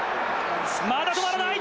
まだ止まらない！